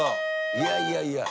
「いやいやいや」